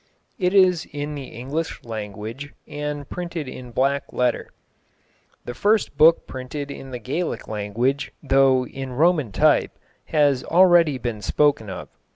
It is in the English language, and printed in black letter. The first book printed in the Gaelic language, though in Roman type, has already been spoken of.